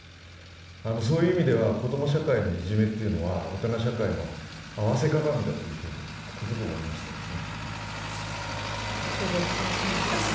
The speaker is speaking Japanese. そういう意味では、子供社会のいじめというのは、大人社会の合わせ鏡だとつくづく思いました。